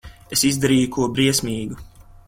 Es izdarīju ko briesmīgu.